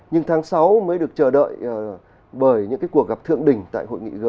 nhưng tháng sáu mới được chờ đợi bởi những cái cuộc gặp thượng đỉnh tại hội nghị g hai